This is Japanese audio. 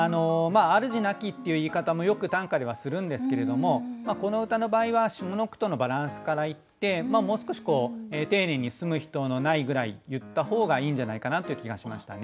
「主なき」っていう言い方もよく短歌ではするんですけれどもこの歌の場合は下の句とのバランスからいってもう少し丁寧に「住む人のない」ぐらい言った方がいいんじゃないかなという気がしましたね。